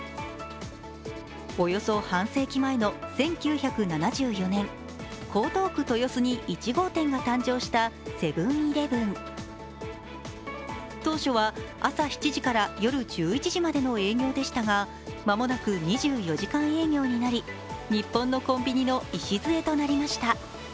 およそ半世紀前の１９７４年、江東区・豊洲に１号店が誕生したセブン−イレブン当初は朝７時から夜１１時までの営業でしたが間もなく２４時間営業になり日本のコンビニの礎となりました。